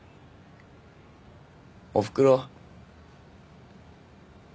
おふくろ